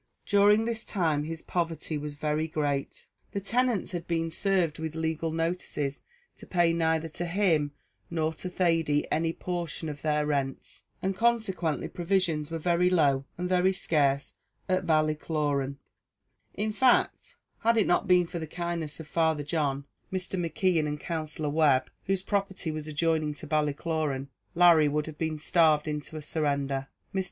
During this time his poverty was very great; the tenants had been served with legal notices to pay neither to him nor to Thady any portion of their rents, and consequently provisions were very low and very scarce at Ballycloran; in fact, had it not been for the kindness of Father John, Mr. McKeon, and Counsellor Webb, whose property was adjoining to Ballycloran, Larry would have been starved into a surrender. Mr.